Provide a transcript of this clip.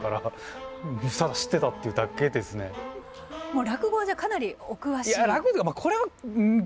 もう落語はじゃあかなりお詳しい？